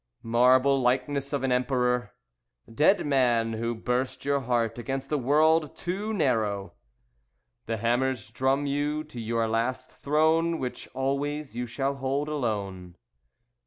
Marble likeness of an Emperor, Dead man, who burst your heart against a world too narrow, The hammers drum you to your last throne Which always you shall hold alone.